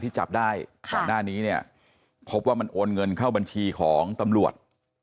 จับได้ก่อนหน้านี้เนี่ยพบว่ามันโอนเงินเข้าบัญชีของตำรวจ